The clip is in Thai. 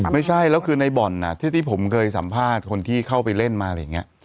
ไม่ใช่แล้วคือในบ่อนที่ผมเคยสัมภาษณ์คนที่เข้าไปเล่นมาอะไรอย่างนี้